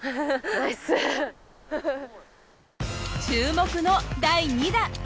注目の第２打。